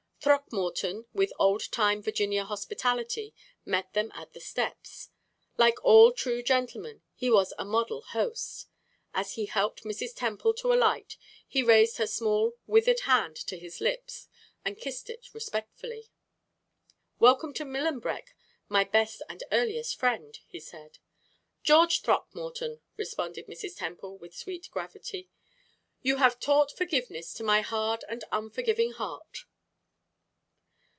Throckmorton, with old time Virginia hospitality, met them at the steps. Like all true gentlemen, he was a model host. As he helped Mrs. Temple to alight, he raised her small, withered hand to his lips and kissed it respectfully. "Welcome to Millenbeck, my best and earliest friend," he said. "George Throckmorton," responded Mrs. Temple, with sweet gravity, "you have taught forgiveness to my hard and unforgiving heart."